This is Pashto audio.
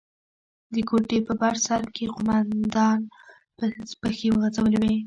د کوټې په بر سر کښې قومندان پښې غځولې وې.